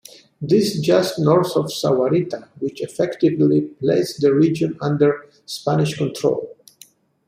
This just north of Sahuarita, which effectively placed the region under Spanish control.